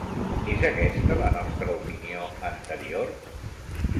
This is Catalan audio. És aquesta la nostra opinió anterior?